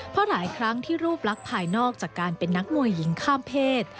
เพราะหลายครั้งที่รูปลักษณ์ภายนอกจากการเป็นนักมวยหญิงข้ามเพศ